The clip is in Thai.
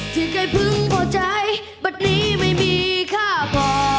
ที่ใกล้พึงหัวใจบันนี้ไม่มีค่าพอ